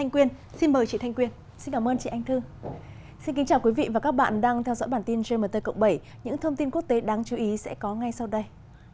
xin quý vị và các bạn đang theo dõi bản tin gmt cộng bảy những thông tin quốc tế đáng chú ý sẽ có ngay sau đây